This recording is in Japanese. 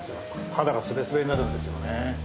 肌がスベスベになるんですよね。